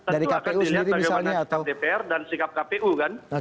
tentu akan dilihat bagaimana sikap dpr dan sikap kpu kan